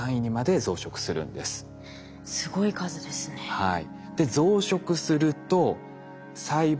はい。